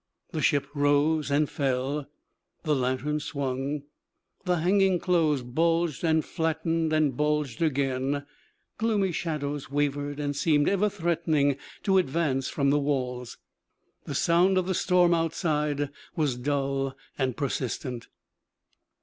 The ship rose and fell, the lantern swung, the hanging clothes bulged and flattened and bulged again; gloomy shadows wavered and seemed ever threatening to advance from the walls. The sound of the storm outside was dull and persistent.